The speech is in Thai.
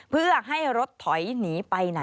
เพื่อให้รถถอยหนีไปไหน